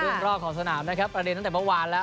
เรื่องรอกของสนามนะครับประเด็นตั้งแต่เบาท์หวานแล้ว